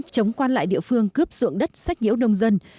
chống quan lại địa phương cướp dụng đất sách nhiễu nông dân